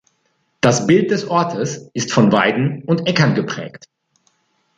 Das Bild des Ortes ist von Weiden und Äckern geprägt.